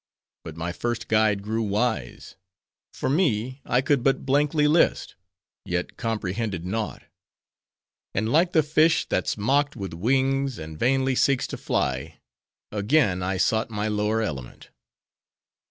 But my first guide grew wise. For me, I could but blankly list; yet comprehended naught; and, like the fish that's mocked with wings, and vainly seeks to fly;—again I sought my lower element.